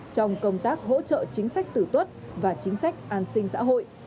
trong công tác hỗ trợ chính sách tử tuất và chính sách an sinh xã hội